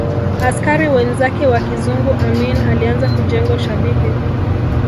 askari wenzake wa kizungu Amin alianza kujenga ushabiki